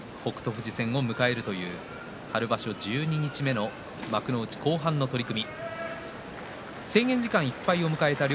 富士戦を迎えるという春場所十二日目の幕内後半の取組。